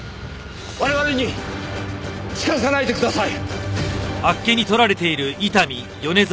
我々に近づかないでください！